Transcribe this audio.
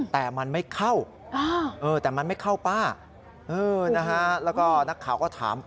แต่มันไม่เข้าแต่มันไม่เข้าป้าแล้วก็นักข่าวก็ถาม